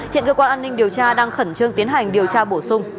hiện cơ quan an ninh điều tra đang khẩn trương tiến hành điều tra bổ sung và mở rộng